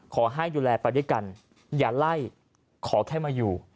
ขอให้ดูแลไปด้วยกันอย่าไล่ขอแค่มาอยู่